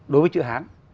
đối với chữ hán